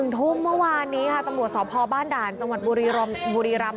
ทุ่มเมื่อวานนี้ค่ะตำรวจสพบ้านด่านจังหวัดบุรีรำ